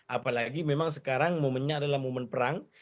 apalagi memang sekarang momennya adalah momen perang